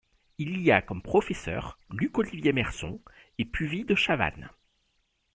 Il y a comme professeurs Luc-Olivier Merson et Puvis de Chavannes.